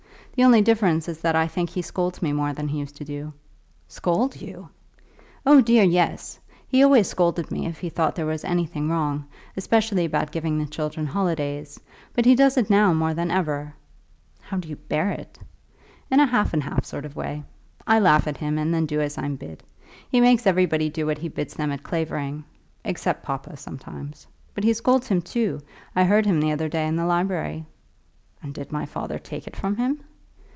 The only difference is that I think he scolds me more than he used to do." "Scold you!" "Oh dear, yes; he always scolded me if he thought there was anything wrong, especially about giving the children holidays. But he does it now more than ever." "And how do you bear it?" "In a half and half sort of way. I laugh at him, and then do as I'm bid. He makes everybody do what he bids them at Clavering, except papa, sometimes. But he scolds him, too. I heard him the other day in the library." "And did my father take it from him?"